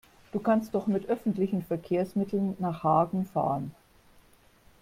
Du kannst doch mit öffentlichen Verkehrsmitteln nach Hagen fahren